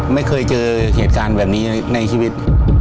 ไม่เคยเจอเหตุการณ์แบบนี้ในชีวิต